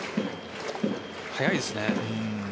速いですね。